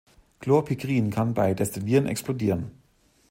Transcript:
Chlorpikrin kann bei Destillieren explodieren.